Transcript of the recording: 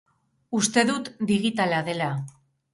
Uste dut digitala dela.